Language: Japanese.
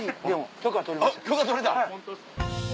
許可取れた？